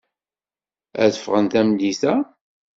Ad ffɣen tameddit-a.